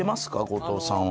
後藤さんは。